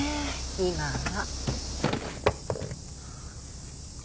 今は。